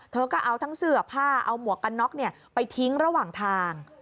เธอก็เอาทั้งเสื้อผ้าเอาหมวกกันน็อกไปทิ้งระหว่างทาง